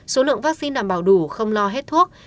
số lượng vaccine đảm bảo đủ không lo hết thuốc